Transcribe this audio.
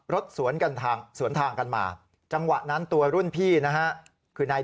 สวนกันทางสวนทางกันมาจังหวะนั้นตัวรุ่นพี่นะฮะคือนาย